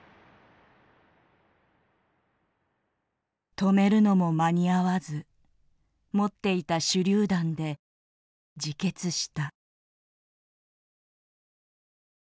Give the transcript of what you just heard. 「止めるのも間に合わず持っていた手りゅう弾で自決した」。